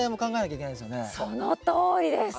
そのとおりです！